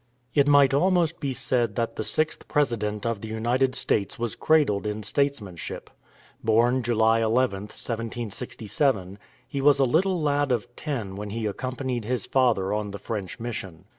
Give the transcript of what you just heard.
] It might almost be said that the sixth President of the United States was cradled in statesmanship. Born July 11th, 1767, he was a little lad of ten when he accompanied his father on the French mission.